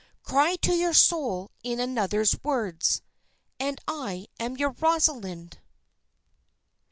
Cry to your soul in another's words "_And I am your Rosalind!